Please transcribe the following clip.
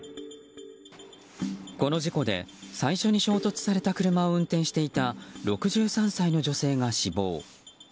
この事故で最初に衝突された車を運転していた６３歳の女性が死亡。